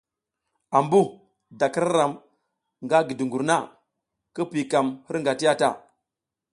Ambu da k ira ram nga gi dungur na, ki kiykam hirnga ti ya ta.